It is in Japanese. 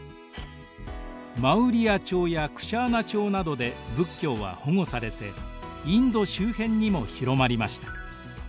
マウリヤ朝やクシャーナ朝などで仏教は保護されてインド周辺にも広まりました。